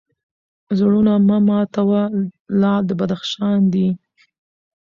زړونه مه ماتوه لعل د بدخشان دی